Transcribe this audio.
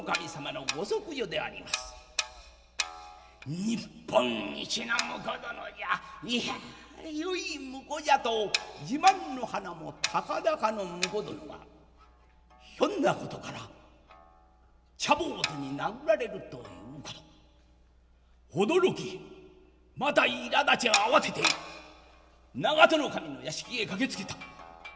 「日本一の婿殿じゃいやよい婿じゃ」と自慢の鼻も高々の婿殿がひょんなことから茶坊主に殴られるということ驚きまたいらだち慌てて長門守の屋敷へ駆けつけた。